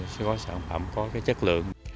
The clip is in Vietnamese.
sản phẩm có chất lượng